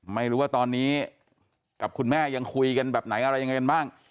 ไม่รู้ว่าตอนนี้กับคุณแม่ยังคุยกันแบบไหนอะไรยังไงกันบ้าง